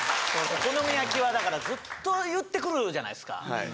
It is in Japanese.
お好み焼きはだからずっと言ってくるじゃないですか。